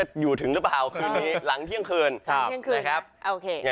ไม่รู้ว่าจะอยู่ถึงหรือเปล่าคืนนี้หลังเที่ยงคืน